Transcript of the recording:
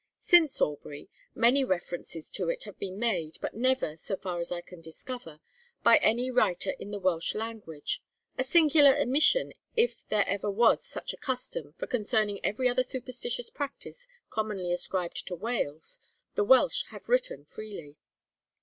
Since Aubrey, many references to it have been made, but never, so far as I can discover, by any writer in the Welsh language a singular omission if there ever was such a custom, for concerning every other superstitious practice commonly ascribed to Wales the Welsh have written freely.